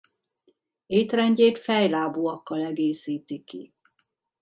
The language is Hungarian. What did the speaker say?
Étrendjét fejlábúakkal egészíti ki.